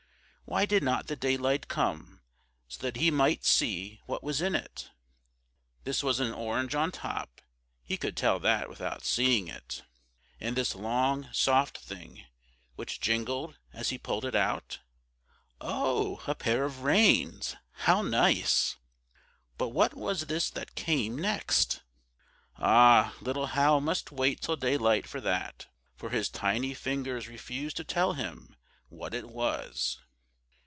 Why did not the daylight come, so that he might see what was in it? This was an orange on top; he could tell that without seeing it. And this long, soft thing, which jingled as he pulled it out? Oh, a pair of reins! How nice! But what was this that came next? Ah! little Hal must wait till daylight for that, for his tiny fingers refused to tell him what it was.